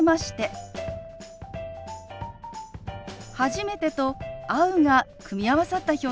「初めて」と「会う」が組み合わさった表現です。